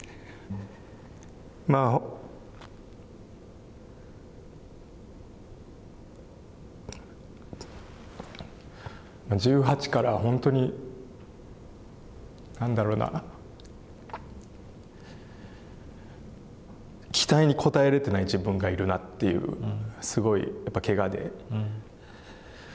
まあ、１８から本当に、何だろう、期待に応えられていない自分がいるなっていう、すごい、けがで。